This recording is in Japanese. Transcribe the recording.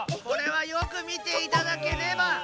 これはよくみていただければ。